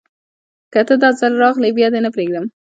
که ته، داځل راغلي بیا دې نه پریږدم